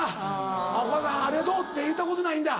お母さんありがとうって言ったことないんだ。